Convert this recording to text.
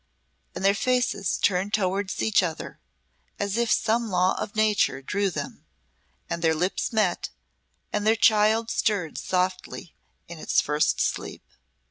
And their faces turned towards each other as if some law of nature drew them, and their lips met and their child stirred softly in its first sleep.